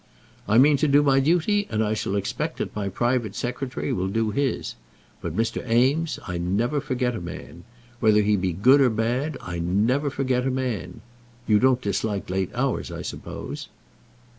"I mean to do my duty, and I shall expect that my private secretary will do his. But, Mr. Eames, I never forget a man. Whether he be good or bad, I never forget a man. You don't dislike late hours, I suppose."